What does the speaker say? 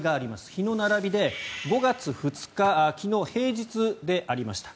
日の並びで５月２日昨日平日でありました。